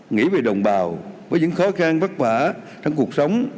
nghĩ về đồng bào với những khó khăn vất vả trong cuộc sống